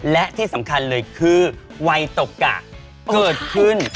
และที่สำคัญเลยคือวัยตกกะเกิดขึ้น